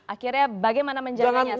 akhirnya bagaimana menjalinnya sekarang